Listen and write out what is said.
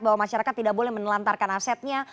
bahwa masyarakat tidak boleh menelantarkan asetnya